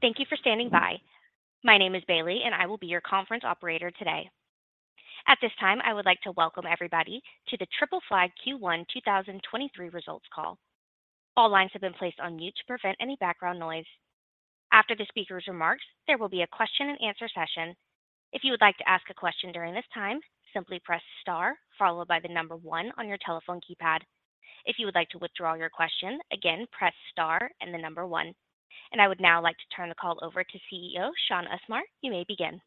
Thank you for standing by. My name is Bailey, and I will be your conference operator today. At this time, I would like to welcome everybody to the Triple Flag Q1 2023 results call. All lines have been placed on mute to prevent any background noise. After the speaker's remarks, there will be a question-and-answer session. If you would like to ask a question during this time, simply press star followed by the number one on your telephone keypad. If you would like to withdraw your question, again, press star and the number one. I would now like to turn the call over to CEO Shaun Usmar. You may begin.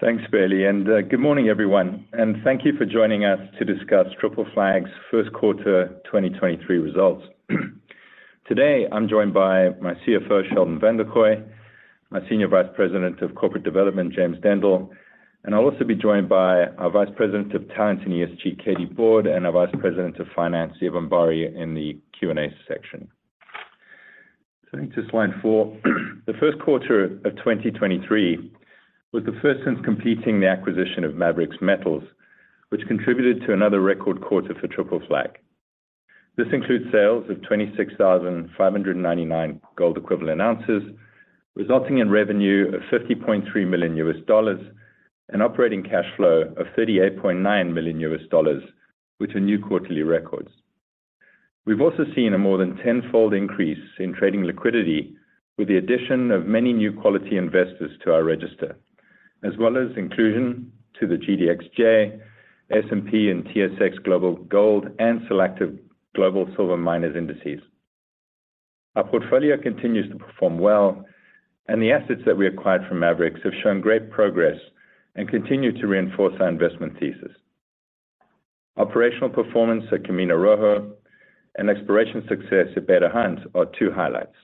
Thanks, Bailey, and good morning everyone, and thank you for joining us to discuss Triple Flag's first quarter 2023 results. Today, I'm joined by my CFO, Sheldon Vanderkooy, my Senior Vice President of Corporate Development, James Dendle, and I'll also be joined by our Vice President of Talent and ESG, Katy Board, and our Vice President of Finance, Eban Bari, in the Q&A section. Turning to slide four. The first quarter of 2023 was the first since completing the acquisition of Maverix Metals, which contributed to another record quarter for Triple Flag. This includes sales of 26,599 gold equivalent ounces, resulting in revenue of $50.3 million and operating cash flow of $38.9 million, which are new quarterly records. We've also seen a more than 10-fold increase in trading liquidity with the addition of many new quality investors to our register, as well as inclusion to the GDXJ, S&P, and TSX Global Gold and Solactive Global Silver Miners indices. Our portfolio continues to perform well. The assets that we acquired from Maverix have shown great progress and continue to reinforce our investment thesis. Operational performance at Camino Rojo and exploration success at Beta Hunt are two highlights.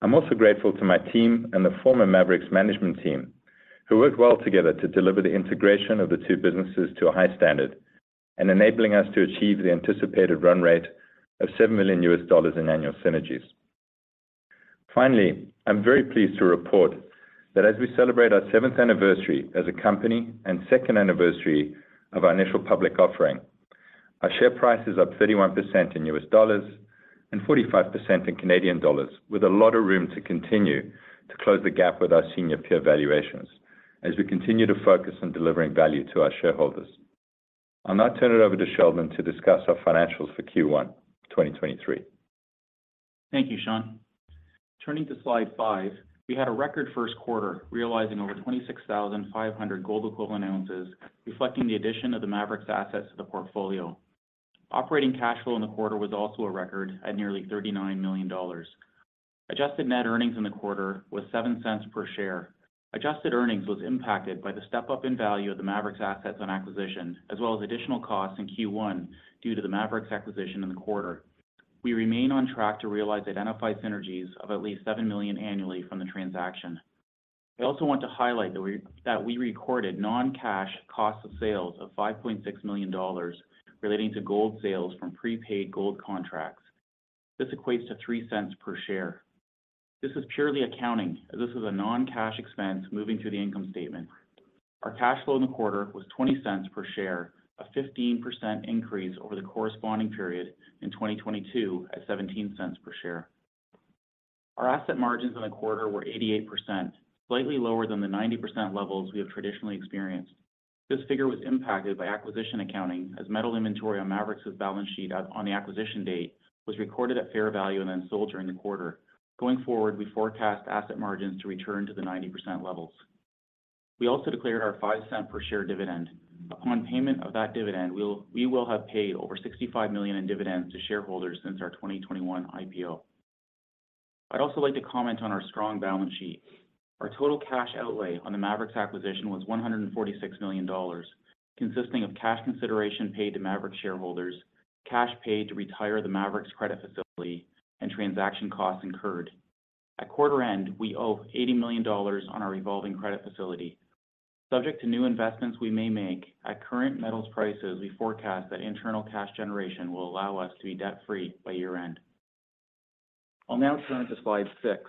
I'm also grateful to my team and the former Maverix management team, who worked well together to deliver the integration of the two businesses to a high standard, and enabling us to achieve the anticipated run rate of $7 million in annual synergies. I'm very pleased to report that as we celebrate our seventh anniversary as a company and second anniversary of our initial public offering, our share price is up 31% in U.S. dollars and 45% in Canadian dollars, with a lot of room to continue to close the gap with our senior peer valuations as we continue to focus on delivering value to our shareholders. I'll now turn it over to Sheldon to discuss our financials for Q1 2023. Thank you, Shaun. Turning to slide five, we had a record first quarter, realizing over 26,500 gold equivalent ounces, reflecting the addition of the Maverix's assets to the portfolio. Operating cash flow in the quarter was also a record at nearly $39 million. Adjusted net earnings in the quarter was $0.07 per share. Adjusted earnings was impacted by the step-up in value of the Maverix's assets on acquisition, as well as additional costs in Q1 due to the Maverix's acquisition in the quarter. We remain on track to realize identified synergies of at least $7 million annually from the transaction. We also want to highlight that we recorded non-cash cost of sales of $5.6 million relating to gold sales from prepaid gold contracts. This equates to $0.03 per share. This is purely accounting, as this is a non-cash expense moving to the income statement. Our cash flow in the quarter was $0.20 per share, a 15% increase over the corresponding period in 2022 at $0.17 per share. Our asset margins in the quarter were 88%, slightly lower than the 90% levels we have traditionally experienced. This figure was impacted by acquisition accounting as metal inventory on Maverix's balance sheet on the acquisition date was recorded at fair value and then sold during the quarter. Going forward, we forecast asset margins to return to the 90% levels. We also declared our $0.05 per share dividend. Upon payment of that dividend, we will have paid over $65 million in dividends to shareholders since our 2021 IPO. I'd also like to comment on our strong balance sheet. Our total cash outlay on the Maverix's acquisition was $146 million, consisting of cash consideration paid to Maverix shareholders, cash paid to retire the Maverix's credit facility, and transaction costs incurred. At quarter end, we owe $80 million on our revolving credit facility. Subject to new investments we may make, at current metals prices, we forecast that internal cash generation will allow us to be debt-free by year-end. I'll now turn to Slide six.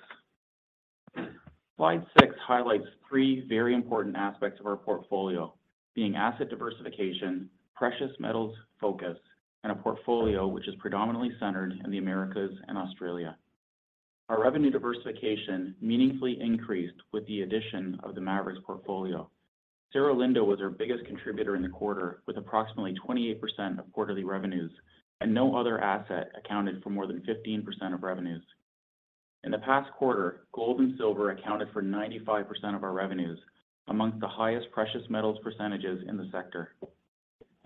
Slide six highlights three very important aspects of our portfolio, being asset diversification, precious metals focus, and a portfolio which is predominantly centered in the Americas and Australia. Our revenue diversification meaningfully increased with the addition of the Maverix's portfolio. Cerro Lindo was our biggest contributor in the quarter, with approximately 28% of quarterly revenues, and no other asset accounted for more than 15% of revenues. In the past quarter, gold and silver accounted for 95% of our revenues, amongst the highest precious metals percentages in the sector.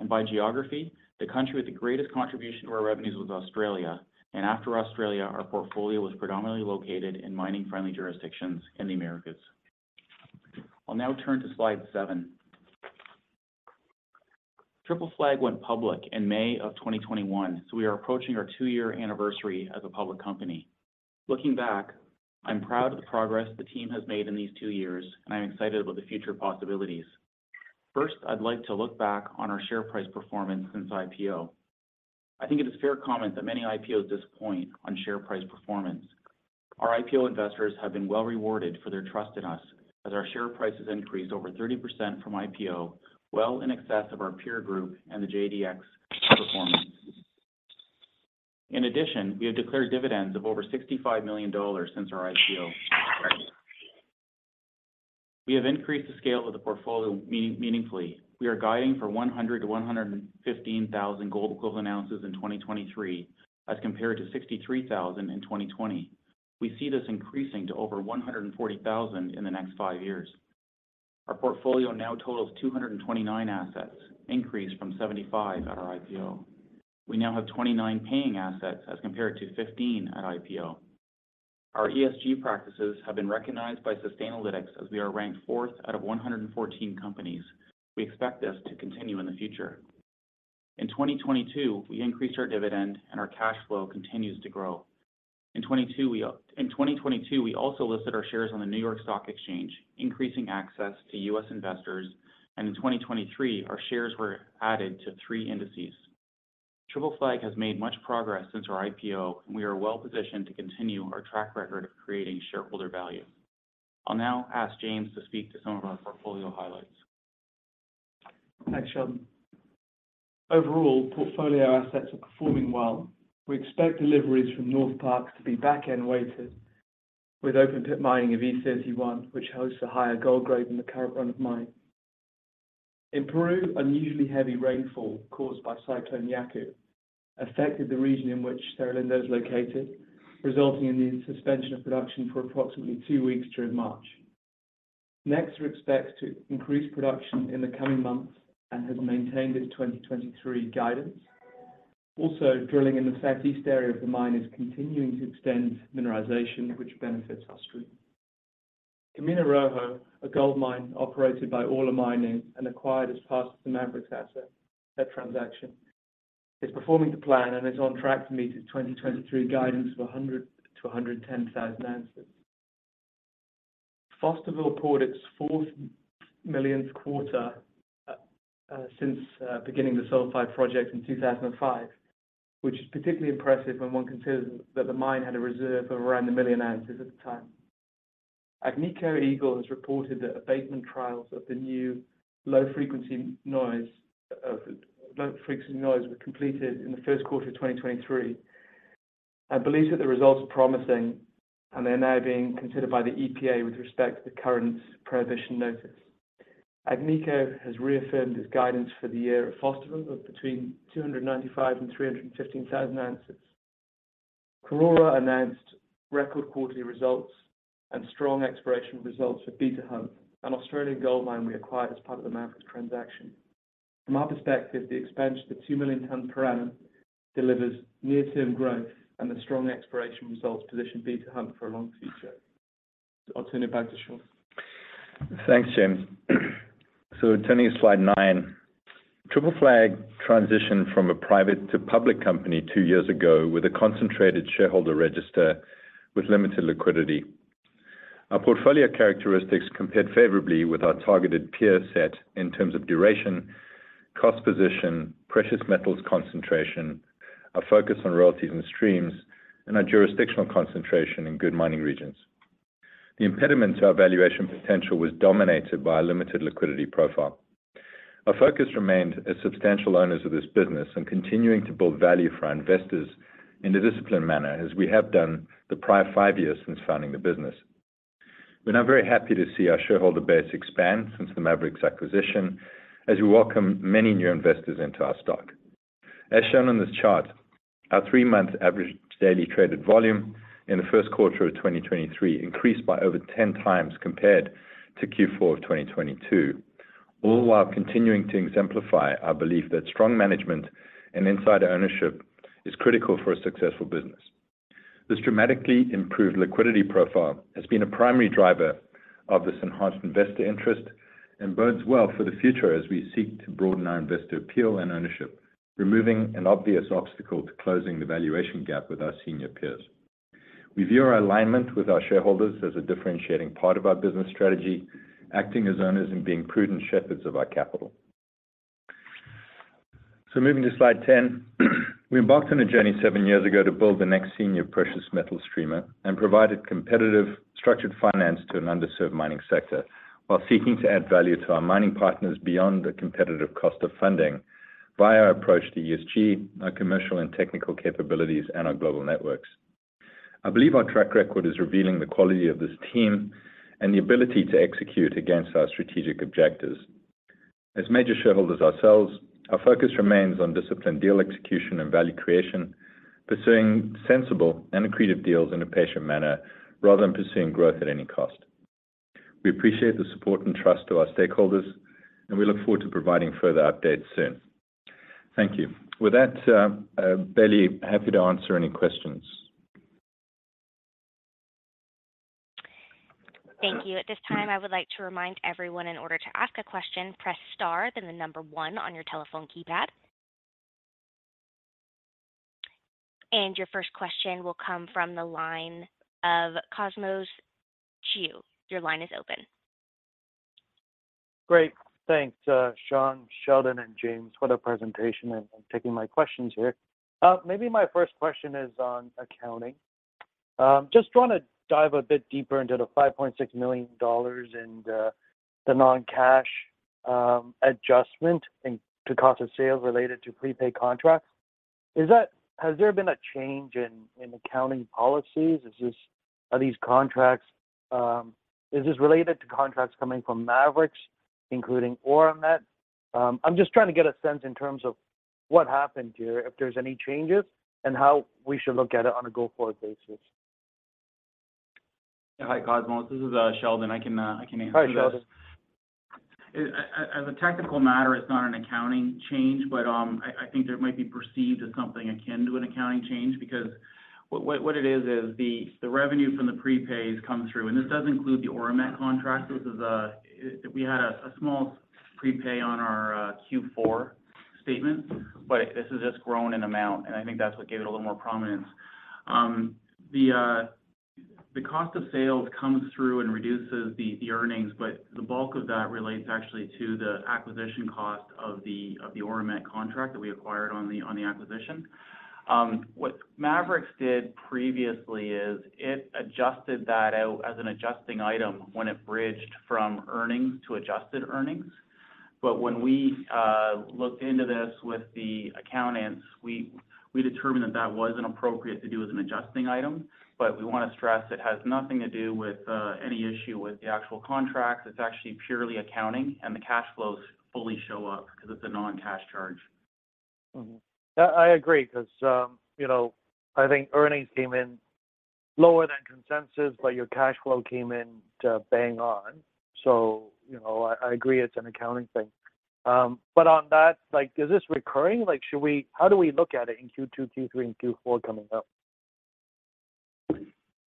By geography, the country with the greatest contribution to our revenues was Australia. After Australia, our portfolio was predominantly located in mining-friendly jurisdictions in the Americas. I'll now turn to slide seven. Triple Flag went public in May of 2021, so we are approaching our two-year anniversary as a public company. Looking back, I'm proud of the progress the team has made in these two years, and I'm excited about the future possibilities. First, I'd like to look back on our share price performance since IPO. I think it is fair comment that many IPOs disappoint on share price performance. Our IPO investors have been well rewarded for their trust in us as our share price has increased over 30% from IPO, well in excess of our peer group and the GDX performance. We have declared dividends of over $65 million since our IPO. We have increased the scale of the portfolio meaningfully. We are guiding for 100,000-115,000 gold equivalent ounces in 2023 as compared to 63,000 in 2020. We see this increasing to over 140,000 in the next five years. Our portfolio now totals 229 assets, increased from 75 at our IPO. We now have 29 paying assets as compared to 15 at IPO. Our ESG practices have been recognized by Sustainalytics as we are ranked 4th out of 114 companies. We expect this to continue in the future. In 2022, we increased our dividend and our cash flow continues to grow. In 2022, we also listed our shares on the New York Stock Exchange, increasing access to U.S. investors. In 2023, our shares were added to three indices. Triple Flag has made much progress since our IPO, and we are well-positioned to continue our track record of creating shareholder value. I'll now ask James to speak to some of our portfolio highlights. Thanks, Sheldon. Overall, portfolio assets are performing well. We expect deliveries from Northparkes to be back-end weighted with open-pit mining of E31, which hosts a higher gold grade than the current run-of-mine. In Peru, unusually heavy rainfall caused by Cyclone Yaku affected the region in which Cerro Lindo is located, resulting in the suspension of production for approximately two weeks during March. Nexa expects to increase production in the coming months and has maintained its 2023 guidance. Also, drilling in the southeast area of the mine is continuing to extend mineralization, which benefits our stream. Camino Rojo, a gold mine operated by Orla Mining and acquired as part of the Maverix asset transaction, is performing to plan and is on track to meet its 2023 guidance of 100,000-110,000 ounces. Fosterville poured its fourth millionth quarter since beginning the Sulfide project in 2005, which is particularly impressive when one considers that the mine had a reserve of around 1 million ounces at the time. Agnico Eagle has reported that abatement trials of the new low-frequency noise were completed in Q1 2023, and believes that the results are promising, and they are now being considered by the EPA with respect to the current prohibition notice. Agnico has reaffirmed its guidance for the year at Fosterville of between 295,000 and 315,000 ounces. Karora announced record quarterly results and strong exploration results for Beta Hunt, an Australian gold mine we acquired as part of the Maverix transaction. From our perspective, the expansion to 2 million tons per annum delivers near-term growth, and the strong exploration results position Beta Hunt for a long future. I'll turn it back to Shaun. Thanks, James. Turning to slide nine, Triple Flag transitioned from a private to public company two years ago with a concentrated shareholder register with limited liquidity. Our portfolio characteristics compared favorably with our targeted peer set in terms of duration, cost position, precious metals concentration, our focus on royalties and streams, and our jurisdictional concentration in good mining regions. The impediment to our valuation potential was dominated by our limited liquidity profile. Our focus remained as substantial owners of this business and continuing to build value for our investors in a disciplined manner as we have done the prior five years since founding the business. We're now very happy to see our shareholder base expand since the Maverix acquisition as we welcome many new investors into our stock. As shown on this chart, our three-month average daily traded volume in the first quarter of 2023 increased by over 10 times compared to Q4 of 2022, all while continuing to exemplify our belief that strong management and insider ownership is critical for a successful business. This dramatically improved liquidity profile has been a primary driver of this enhanced investor interest and bodes well for the future as we seek to broaden our investor appeal and ownership, removing an obvious obstacle to closing the valuation gap with our senior peers. We view our alignment with our shareholders as a differentiating part of our business strategy, acting as owners and being prudent shepherds of our capital. Moving to slide 10, we embarked on a journey seven years ago to build the next senior precious metal streamer and provided competitive structured finance to an underserved mining sector while seeking to add value to our mining partners beyond the competitive cost of funding via our approach to ESG, our commercial and technical capabilities, and our global networks. I believe our track record is revealing the quality of this team and the ability to execute against our strategic objectives. As major shareholders ourselves, our focus remains on disciplined deal execution and value creation, pursuing sensible and accretive deals in a patient manner rather than pursuing growth at any cost. We appreciate the support and trust of our stakeholders, and we look forward to providing further updates soon. Thank you. With that, Bailey, happy to answer any questions. Thank you. At this time, I would like to remind everyone in order to ask a question, press star, then 1 on your telephone keypad. Your first question will come from the line of Cosmos Chiu. Your line is open. Great. Thanks, Shaun, Sheldon, and James for the presentation and taking my questions here. Maybe my first question is on accounting. Just wanna dive a bit deeper into the $5.6 million in the non-cash adjustment to cost of sales related to prepaid contracts? Has there been a change in accounting policies? Are these contracts, is this related to contracts coming from Maverix, including Auramet? I'm just trying to get a sense in terms of what happened here, if there's any changes and how we should look at it on a go-forward basis. Hi, Cosmos. This is Sheldon. I can answer that. Hi, Sheldon. As a technical matter, it's not an accounting change, but I think it might be perceived as something akin to an accounting change because what it is the revenue from the prepays come through, and this does include the Auramet contract. This is, we had a small prepay on our Q4 statement, but this has just grown in amount, and I think that's what gave it a little more prominence. The cost of sales comes through and reduces the earnings, but the bulk of that relates actually to the acquisition cost of the Auramet contract that we acquired on the acquisition. What Maverix did previously is it adjusted that out as an adjusting item when it bridged from earnings to adjusted earnings. When we looked into this with the accountants, we determined that that wasn't appropriate to do as an adjusting item. We wanna stress it has nothing to do with any issue with the actual contract. It's actually purely accounting, and the cash flows fully show up because it's a non-cash charge. I agree because, you know, I think earnings came in lower than consensus, your cash flow came in to bang on. You know, I agree it's an accounting thing. On that, like, is this recurring? Like, how do we look at it in Q2, Q3, and Q4 coming up?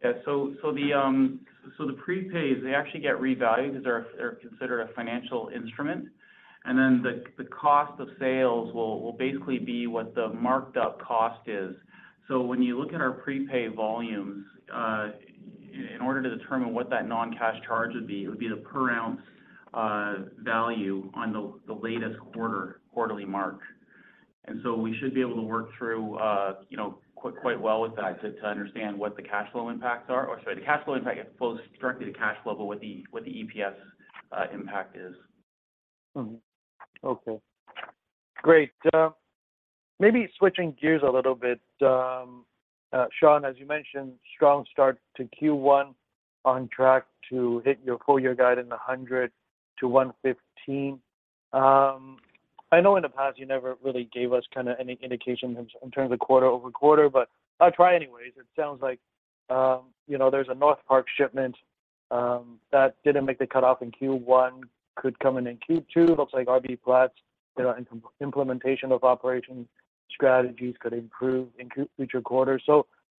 The prepay is they actually get revalued 'cause they're considered a financial instrument. The cost of sales will basically be what the marked-up cost is. When you look at our prepay volumes, in order to determine what that non-cash charge would be, it would be the per ounce value on the latest quarter, quarterly mark. We should be able to work through, you know, quite well with that to understand what the cash flow impacts are. Sorry, the cash flow impact flows directly to cash flow, but what the EPS impact is. Okay. Great. Maybe switching gears a little bit. Sean, as you mentioned, strong start to Q1 on track to hit your full year guide in the 100-115. I know in the past you never really gave us kinda any indication in terms of quarter-over-quarter, but I'll try anyways. It sounds like, you know, there's a Northparkes shipment that didn't make the cutoff in Q1, could come in in Q2. Looks like RBPlat's, you know, implementation of operation strategies could improve in future quarters.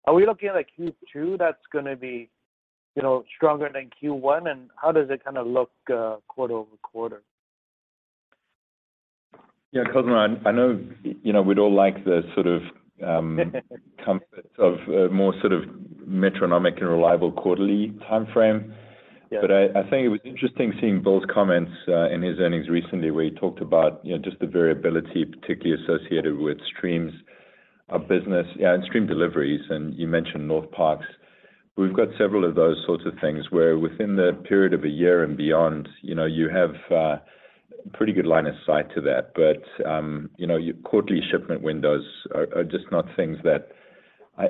Are we looking at a Q2 that's gonna be, you know, stronger than Q1, and how does it kinda look quarter-over-quarter? Yeah. Cosmos, I know, you know, we'd all like the sort of comfort of a more sort of metronomic and reliable quarterly timeframe. Yeah. I think it was interesting seeing Bolt's comments in his earnings recently, where he talked about, you know, just the variability, particularly associated with stream's business. Stream deliveries, and you mentioned Northparkes. We've got several of those sorts of things where, within the period of a year and beyond, you know, you have pretty good line of sight to that. You know, your quarterly shipment windows are just not things that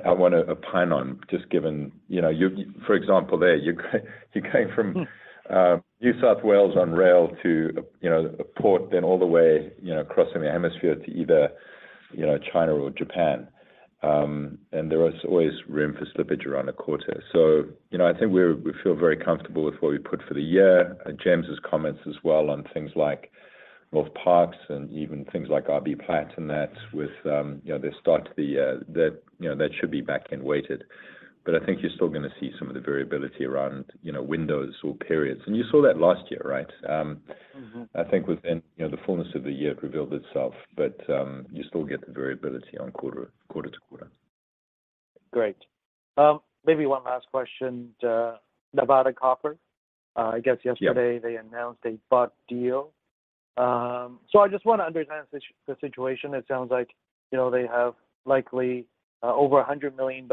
I wanna opine on, just given, you know. For example, there, you're going from New South Wales on rail to, you know, a port, then all the way, you know, crossing the hemisphere to either, you know, China or Japan. There is always room for slippage around a quarter. You know, I think we feel very comfortable with what we put for the year. James' comments as well on things like Northparkes and even things like RBPlat and that with, you know, they start the, that, you know, that should be back-end weighted. I think you're still gonna see some of the variability around, you know, windows or periods. You saw that last year, right? Mm-hmm I think within, you know, the fullness of the year, it revealed itself. You still get the variability on quarter-to-quarter. Great. maybe one last question to Nevada Copper. I guess. Yeah... they announced a bought deal. I just want to understand the situation. It sounds like, you know, they have likely over $100 million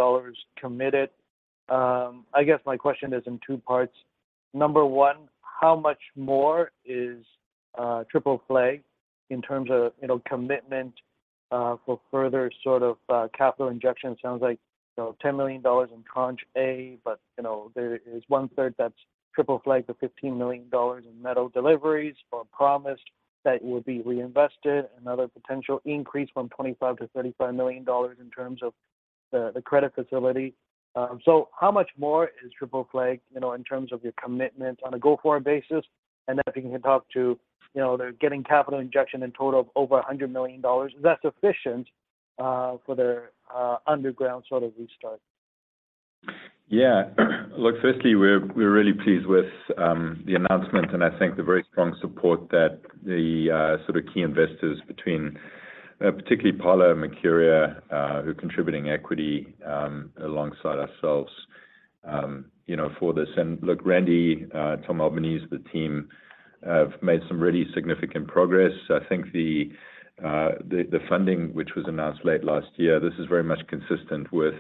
committed. I guess my question is in two parts. Number one, how much more is Triple Flag in terms of, you know, commitment for further sort of capital injection? It sounds like, you know, $10 million in Tranche A, you know, there is one-third that's Triple Flag, the $15 million in metal deliveries or promise that will be reinvested. Another potential increase from $25 million-$35 million in terms of the credit facility. How much more is Triple Flag, you know, in terms of your commitment on a go-forward basis? If you can talk to, you know, they're getting capital injection in total of over $100 million. Is that sufficient for their underground sort of restart? Look, firstly, we're really pleased with the announcement, and I think the very strong support that the sort of key investors, between particularly Pala, Mercuria, who are contributing equity alongside ourselves, you know, for this. Look, Randy, Tom Albanese, the team have made some really significant progress. I think the funding, which was announced late last year, this is very much consistent with.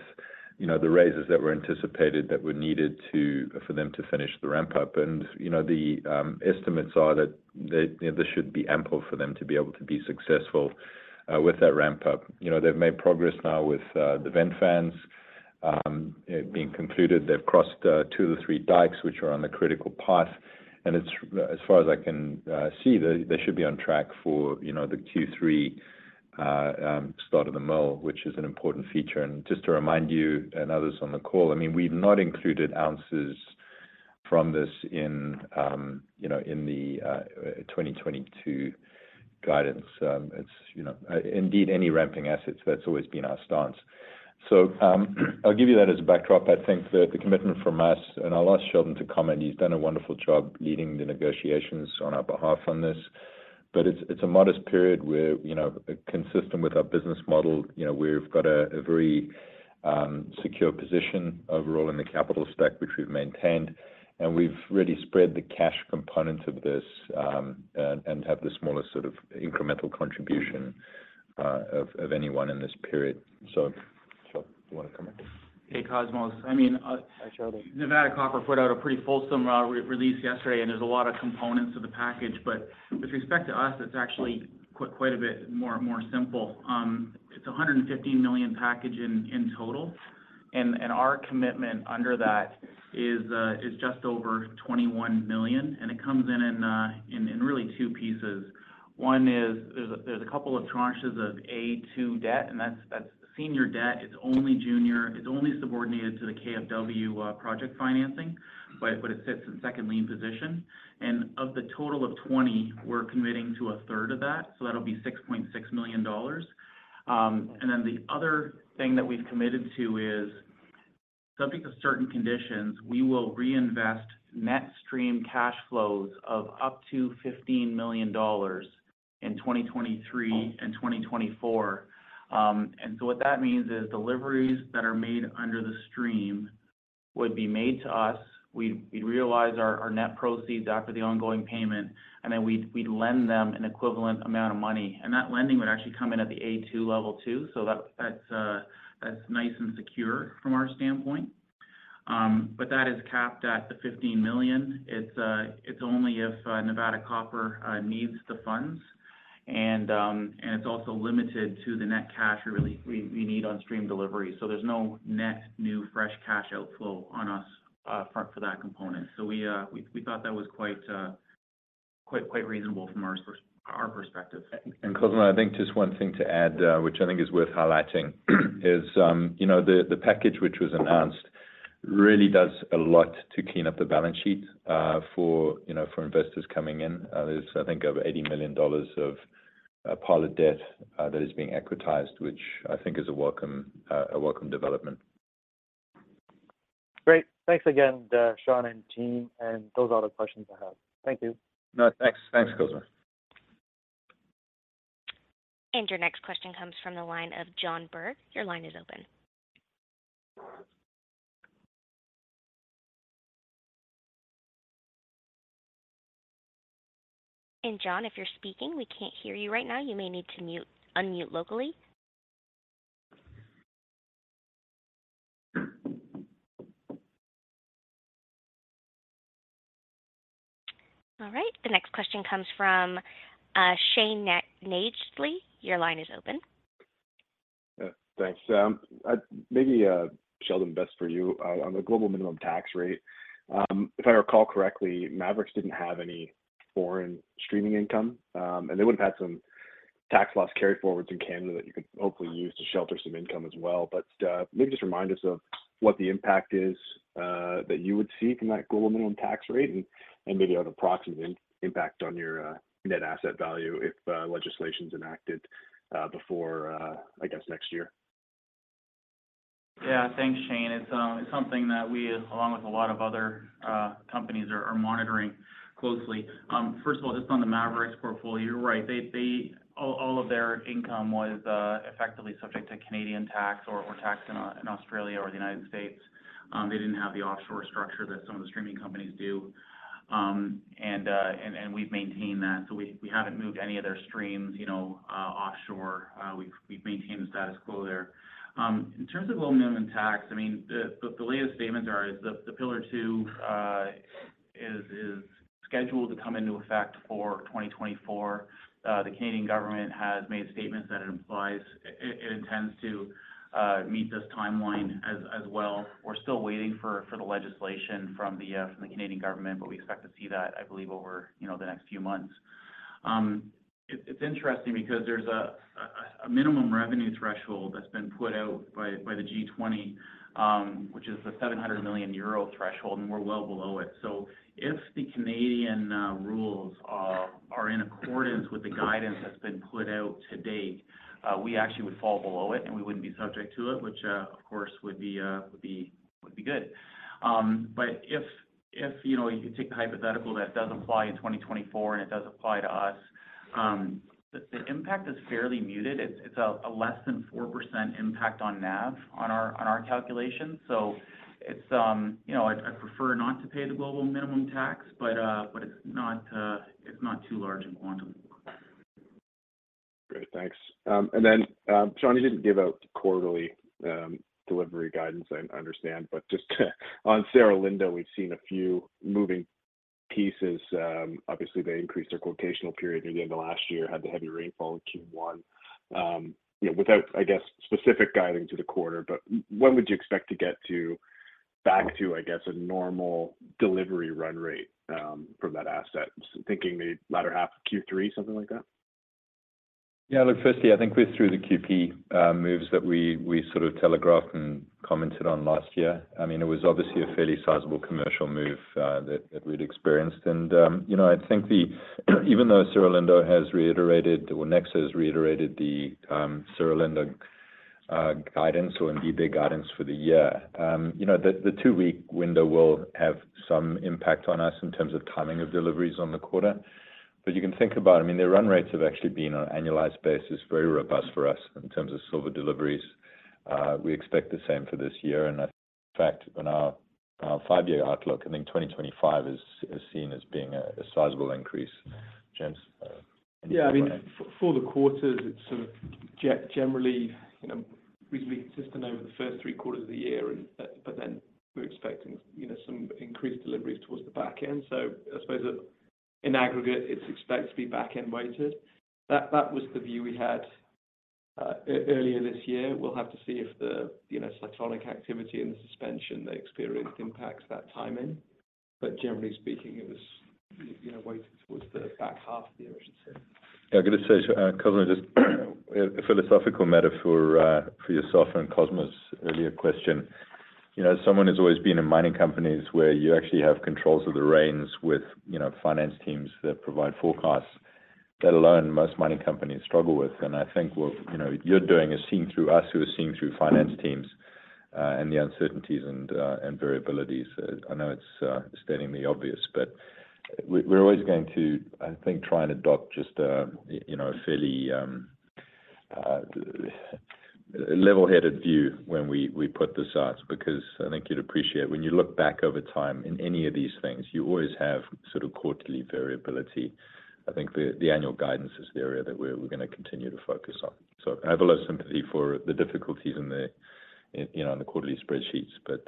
You know, the raises that were anticipated that were needed to for them to finish the ramp-up. You know, the estimates are that the, you know, this should be ample for them to be able to be successful with that ramp up. You know, they've made progress now with the vent fans, it being concluded. They've crossed two of the three dikes which are on the critical path. It's as far as I can see, they should be on track for, you know, the Q3 start of the mill, which is an important feature. Just to remind you and others on the call, I mean, we've not included ounces from this in, you know, in the 2022 guidance. It's, you know, indeed, any ramping assets, that's always been our stance. I'll give you that as a backdrop. I think the commitment from us, and I'll ask Sheldon to comment, he's done a wonderful job leading the negotiations on our behalf on this. It's a modest period where, you know, consistent with our business model, you know, we've got a very secure position overall in the capital stack, which we've maintained. We've really spread the cash component of this, and have the smallest sort of incremental contribution, of anyone in this period. Sheldon, you wanna comment? Hey, Cosmos. I mean. Hi, Sheldon. Nevada Copper put out a pretty fulsome re-release yesterday. There's a lot of components to the package. With respect to us, it's actually quite a bit more, more simple. It's a $150 million package in total. Our commitment under that is just over $21 million, and it comes in really two pieces. One is there's a couple of tranches of A2 debt, that's senior debt. It's only subordinated to the KfW project financing, but it sits in second lien position. Of the total of $20, we're committing to a third of that, so that'll be $6.6 million. The other thing that we've committed to is, subject to certain conditions, we will reinvest net stream cash flows of up to $15 million in 2023 and 2024. What that means is deliveries that are made under the stream would be made to us. We'd realize our net proceeds after the ongoing payment, and then we'd lend them an equivalent amount of money. That lending would actually come in at the A2 level too, so that's nice and secure from our standpoint. That is capped at the $15 million. It's only if Nevada Copper needs the funds. It's also limited to the net cash we really need on stream delivery. There's no net new fresh cash outflow on us, for that component. We thought that was quite reasonable from our perspective. Cosmos, I think just one thing to add, which I think is worth highlighting is, you know, the package which was announced really does a lot to clean up the balance sheet, for, you know, for investors coming in. There's I think over $80 million of pilot debt that is being equitized, which I think is a welcome, a welcome development. Great. Thanks again, Shaun and team. Those are all the questions I have. Thank you. No, thanks. Thanks, Cosmos. Your next question comes from the line of John Burr. Your line is open. John, if you're speaking, we can't hear you right now. You may need to mute, unmute locally. All right. The next question comes from Shane Nagle. Your line is open. Thanks. Maybe Sheldon, best for you. On the global minimum tax rate, if I recall correctly, Maverix didn't have any foreign streaming income, and they would've had some tax loss carried forward to Canada that you could hopefully use to shelter some income as well. Maybe just remind us of what the impact is that you would see from that global minimum tax rate and maybe on approximate impact on your net asset value if legislation's enacted before, I guess, next year. Thanks, Shane. It's something that we, along with a lot of other companies, are monitoring closely. First of all, just on the Maverix portfolio, you're right. All of their income was effectively subject to Canadian tax or taxed in Australia or the United States. They didn't have the offshore structure that some of the streaming companies do. And we've maintained that. We haven't moved any of their streams, you know, offshore. We've maintained the status quo there. In terms of minimum tax, I mean, the latest statements are is the Pillar Two is scheduled to come into effect for 2024. The Canadian government has made statements that it implies it intends to meet this timeline as well. We're still waiting for the legislation from the Canadian government, but we expect to see that, I believe, over, you know, the next few months. It's interesting because there's a minimum revenue threshold that's been put out by the G20, which is the 700 million euro threshold, and we're well below it. If the Canadian rules are in accordance with the guidance that's been put out to date, we actually would fall below it, and we wouldn't be subject to it, which of course would be good. If, you know, you take the hypothetical that it does apply in 2024 and it does apply to us, the impact is fairly muted. It's a less than 4% impact on NAV on our calculations. You know, I'd prefer not to pay the global minimum tax, but it's not too large in quantum. Great. Thanks. Shaun, you didn't give out quarterly delivery guidance, I understand. On Cerro Lindo, we've seen a few moving pieces. Obviously, they increased their quotational period near the end of last year, had the heavy rainfall in Q1. You know, without, I guess, specific guiding to the quarter, but when would you expect to get to back to, I guess, a normal delivery run rate from that asset? Thinking the latter half of Q3, something like that? Yeah. Look, firstly, I think we're through the QP moves that we sort of telegraphed and commented on last year. I mean, it was obviously a fairly sizable commercial move that we'd experienced. You know, I think the... Even though Cerro Lindo has reiterated or Nexa has reiterated the Cerro Lindo guidance or indeed their guidance for the year, you know, the two-week window will have some impact on us in terms of timing of deliveries on the quarter. You can think about it. I mean, their run rates have actually been on an annualized basis, very robust for us in terms of silver deliveries. We expect the same for this year. I think in fact, in our five-year outlook, I think 2025 is seen as being a sizable increase. James, any thoughts on that? Yeah. I mean, for the quarters, it's sort of generally, you know, reasonably consistent over the first three quarters of the year and, but then we're expecting, you know, some increased deliveries towards the back end. I suppose that in aggregate, it's expected to be back-end weighted. That was the view we had earlier this year. We'll have to see if the, you know, cyclonic activity and the suspension they experienced impacts that timing. Generally speaking, it was, you know, weighted towards the back half of the year, as you say. Yeah. I gotta say, so, Cosmo, just a philosophical metaphor, for yourself and Cosmo's earlier question. You know, as someone who's always been in mining companies where you actually have controls of the reins with, you know, finance teams that provide forecasts, that alone, most mining companies struggle with. I think what, you know, you're doing is seeing through us, who are seeing through finance teams, and the uncertainties and variabilities. I know it's stating the obvious, but we're always going to, I think, try and adopt just a, you know, a fairly, level-headed view when we put this out. I think you'd appreciate when you look back over time in any of these things, you always have sort of quarterly variability. I think the annual guidance is the area that we're gonna continue to focus on. I have a lot of sympathy for the difficulties in the, you know, in the quarterly spreadsheets, but,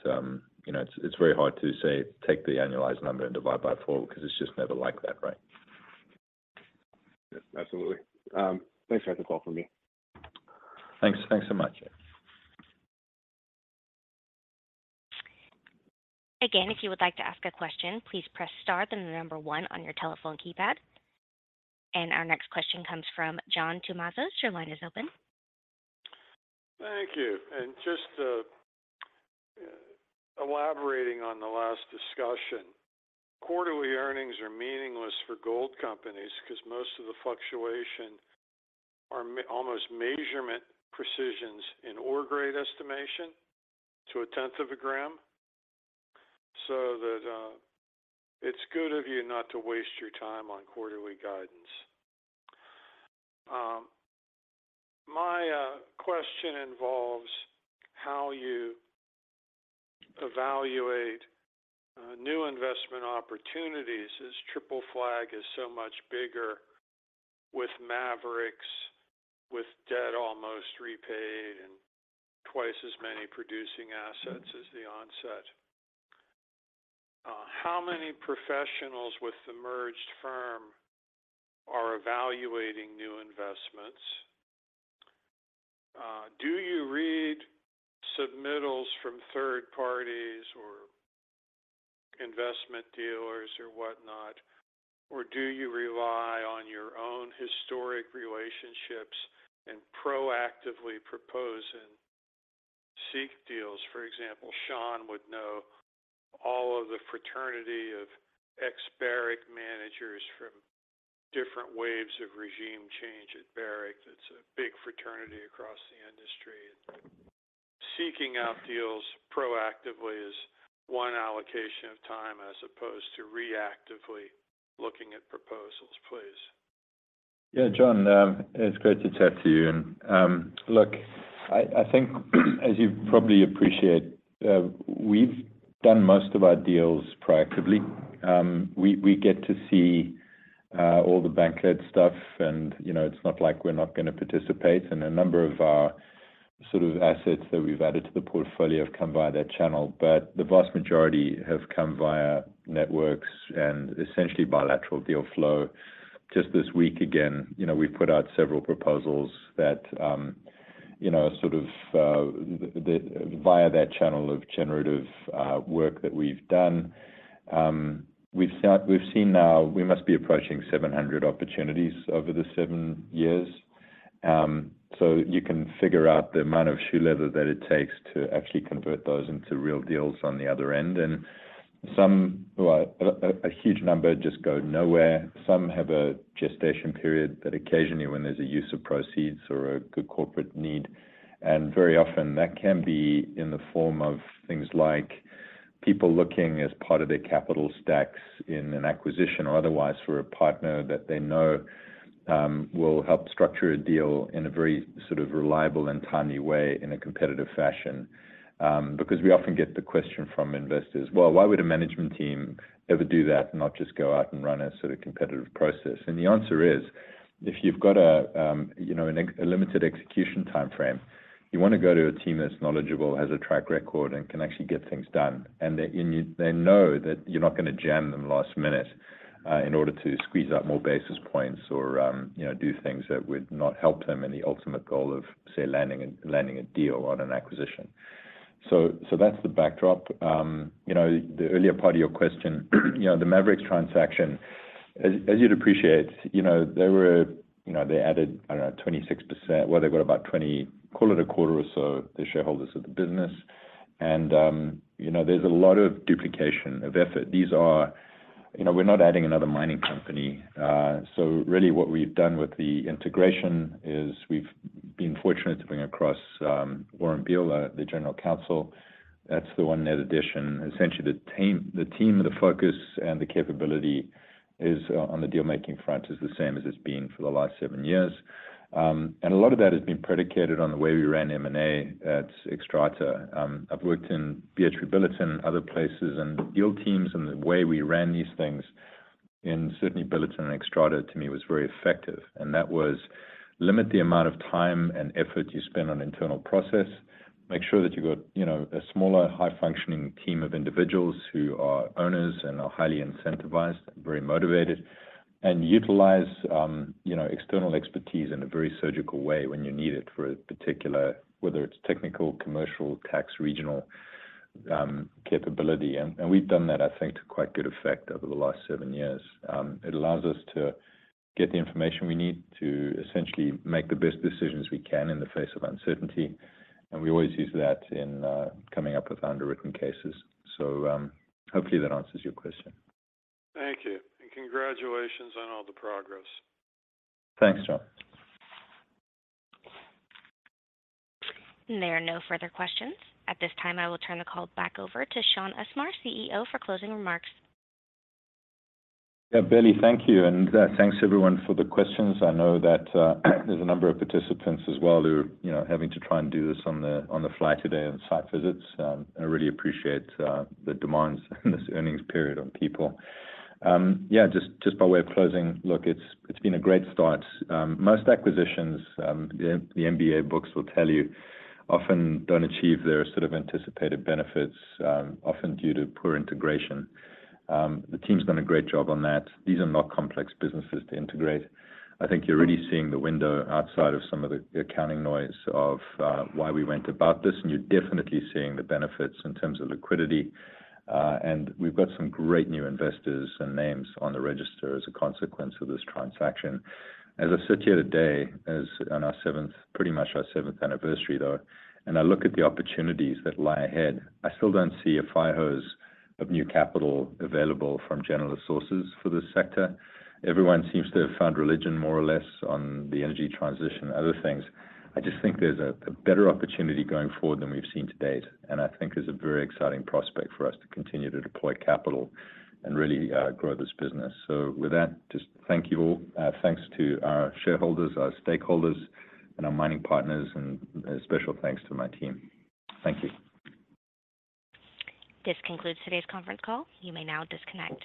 you know, it's very hard to say, take the annualized number and divide by four because it's just never like that, right? Yes, absolutely. Thanks for the call from me. Thanks. Thanks so much. Yeah. Again, if you would like to ask a question, please press star, then the number one on your telephone keypad. Our next question comes from John Tumazos. Your line is open. Thank you. Just elaborating on the last discussion, quarterly earnings are meaningless for gold companies 'cause most of the fluctuation are almost measurement precisions in ore grade estimation to a tenth of a gram. That it's good of you not to waste your time on quarterly guidance. My question involves how you evaluate new investment opportunities, as Triple Flag is so much bigger with Maverix's, with debt almost repaid, and twice as many producing assets as the onset. How many professionals with the merged firm are evaluating new investments? Do you read submittals from third parties or investment dealers or whatnot? Do you rely on your own historic relationships and proactively propose and seek deals? For example, Sean would know all of the fraternity of ex-Barrick managers from different waves of regime change at Barrick. That's a big fraternity across the industry. Seeking out deals proactively is one allocation of time as opposed to reactively looking at proposals. Please. Yeah. John, it's great to chat to you. Look, I think as you probably appreciate, we've done most of our deals proactively. We get to see all the bank-led stuff and, you know, it's not like we're not gonna participate. A number of our sort of assets that we've added to the portfolio have come via that channel. The vast majority have come via networks and essentially bilateral deal flow. Just this week again, you know, we put out several proposals that, you know, sort of the via that channel of generative work that we've done. We've seen now we must be approaching 700 opportunities over the seven years. You can figure out the amount of shoe leather that it takes to actually convert those into real deals on the other end. Some, well, a huge number just go nowhere. Some have a gestation period that occasionally when there's a use of proceeds or a good corporate need. Very often, that can be in the form of things like people looking as part of their capital stacks in an acquisition or otherwise for a partner that they know will help structure a deal in a very sort of reliable and timely way in a competitive fashion. Because we often get the question from investors, "Well, why would a management team ever do that and not just go out and run a sort of competitive process?" The answer is, if you've got a, you know, a limited execution timeframe, you wanna go to a team that's knowledgeable, has a track record, and can actually get things done. They know that you're not gonna jam them last minute in order to squeeze out more basis points or, you know, do things that would not help them in the ultimate goal of, say, landing a deal on an acquisition. That's the backdrop. You know, the earlier part of your question, you know, the Maverix's transaction. As you'd appreciate, you know, there were, you know, they added, I don't know, 26%. Well, they've got about 20, call it a quarter or so, the shareholders of the business. You know, there's a lot of duplication of effort. These are, you know, we're not adding another mining company. Really, what we've done with the integration is we've been fortunate to bring across Warren Beil, the general counsel. That's the one net addition. Essentially, the team, the focus, and the capability is on the deal-making front is the same as it's been for the last seven years. A lot of that has been predicated on the way we ran M&A at Xstrata. I've worked in BHP Billiton, other places, and deal teams, and the way we ran these things in certainly Billiton and Xstrata to me was very effective. That was limit the amount of time and effort you spend on internal process. Make sure that you've got, you know, a smaller high-functioning team of individuals who are owners and are highly incentivized, very motivated. Utilize, you know, external expertise in a very surgical way when you need it for a particular, whether it's technical, commercial, tax, regional, capability. We've done that, I think to quite good effect over the last seven years. It allows us to get the information we need to essentially make the best decisions we can in the face of uncertainty. We always use that in coming up with underwritten cases. Hopefully that answers your question. Thank you. And congratulations on all the progress. Thanks, John. There are no further questions. At this time, I will turn the call back over to Shaun Usmar, CEO, for closing remarks. Yeah, Bailey, thank you. Thanks everyone for the questions. I know that, there's a number of participants as well who are, you know, having to try and do this on the, on the fly today on site visits. I really appreciate the demands in this earnings period on people. Yeah, just by way of closing. Look, it's been a great start. Most acquisitions, the MBA books will tell you often don't achieve their sort of anticipated benefits, often due to poor integration. The team's done a great job on that. These are not complex businesses to integrate. I think you're really seeing the window outside of some of the accounting noise of why we went about this, and you're definitely seeing the benefits in terms of liquidity. We've got some great new investors and names on the register as a consequence of this transaction. As I sit here today, as on our seventh, pretty much our seventh anniversary though, and I look at the opportunities that lie ahead, I still don't see a firehose of new capital available from general sources for this sector. Everyone seems to have found religion more or less on the energy transition and other things. I just think there's a better opportunity going forward than we've seen to date, and I think there's a very exciting prospect for us to continue to deploy capital and really grow this business. With that, just thank you all. Thanks to our shareholders, our stakeholders, and our mining partners, and a special thanks to my team. Thank you. This concludes today's conference call. You may now disconnect.